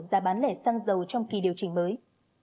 giá bán lẻ xăng dầu trong kỳ điều chỉnh mới